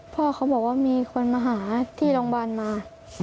พ่อเขาบอกว่ามีคนมาหาที่โรงพยาบาลมา